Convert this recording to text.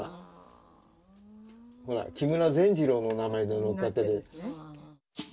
木村善次郎の名前で載っかってる。